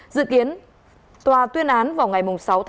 dự kiến tòa tuyên án vào ngày sáu một hai nghìn hai mươi ba